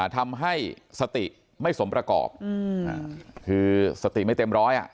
ทำให้สติไม่สมประกอบคือสติไม่เต็มร้อยอ่ะ